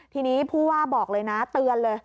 ทีนี้ผู้ว่าบอกเลยนะเตือนเลย